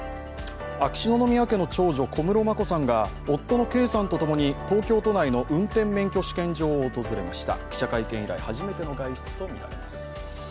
秋篠宮家の長女・小室眞子さんが夫の圭さんとともに東京都内の運転免許試験場を訪れました。